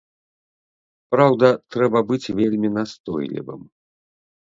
Праўда, трэба быць вельмі настойлівым.